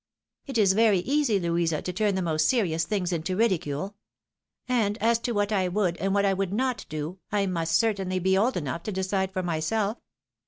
" It is very easy, Louisa, to turn the most serious things into ridicule. And as to what I would, and what I would not do, I must certainly be old enough to decide for myself.